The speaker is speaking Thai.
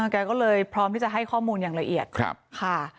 แกก็เลยพร้อมที่จะให้ข้อมูลอย่างละเอียดค่ะ